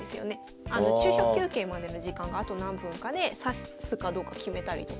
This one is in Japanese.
昼食休憩までの時間があと何分かで指すかどうか決めたりとか。